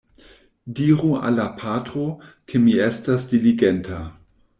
Diru al la patro, ke mi estas diligenta.